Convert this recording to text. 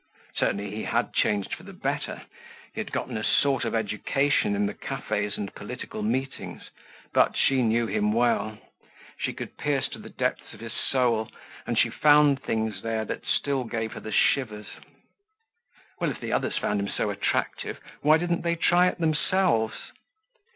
Certainly he had changed for the better. He had gotten a sort of education in the cafes and political meetings but she knew him well. She could pierce to the depths of his soul and she found things there that still gave her the shivers. Well, if the others found him so attractive, why didn't they try it themselves.